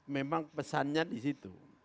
memang pesannya di situ